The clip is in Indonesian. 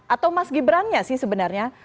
atau mas gibran nya sih sebenarnya